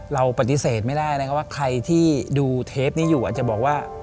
เราปฏิเสธไม่ได้นะครับว่าใครที่ดูเทปนี้อยู่อาจจะบอกว่า